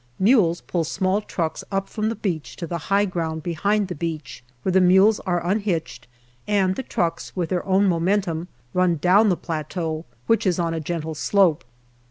Mules pull small trucks up from the beach to the high ground behind the beach, where the mules are unhitched and the trucks, with their own momentum, run down the plateau, which is on a gentle slope.